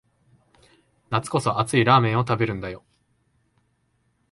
夏こそ熱いラーメンを食べるんだよ